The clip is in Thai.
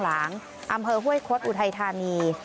หลังอำเภอห้วยคดอุทัยธานี